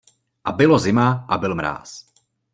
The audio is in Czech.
A bylo zima a byl mráz.